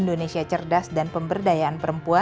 jadi saya pikir ini adalah perubahan yang bagus